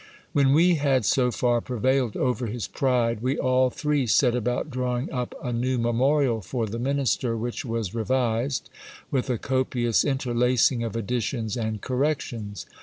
When we had so far prevailed over his pride, we all three set about drawing up a new memorial for the minister, which was revised, with a copious interlacing of additions and corrections.